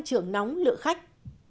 tăng trưởng nóng lựa khách